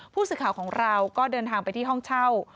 ผู้สื่อข่าวของเราก็เดินทางไปที่ห้องเช่า